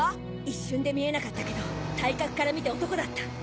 一瞬で見えなかったけど体格から見て男だった。